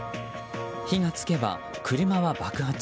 火が付けば、車は爆発。